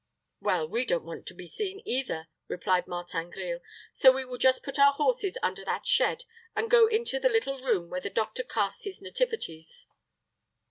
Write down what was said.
"Well, we don't want to be seen either," replied Martin Grille; "so we will just put our horses under that shed, and go into the little room where the doctor casts his nativities."